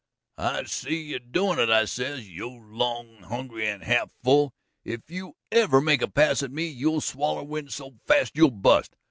"'I see you doin' it,' I says, 'you long hungry and half full! If you ever make a pass at me you'll swaller wind so fast you'll bust.'